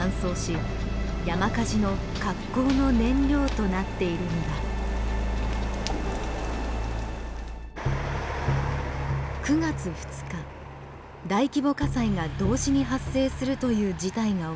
日大規模火災が同時に発生するという事態が起きた。